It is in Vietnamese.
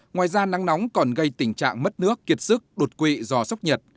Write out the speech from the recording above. ngoài ra nắng nóng còn gây tình trạng mất nước kiệt sức đột quỵ do sốc nhiệt